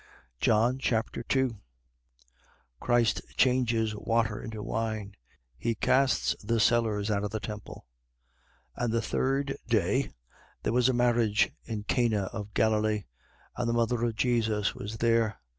John Chapter 2 Christ changes water into wine. He casts the sellers out of the temple. 2:1. And the third day, there was a marriage in Cana of Galilee: and the mother of Jesus was there.